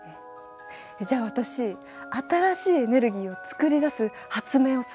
じゃあ私新しいエネルギーを作り出す発明をするわ。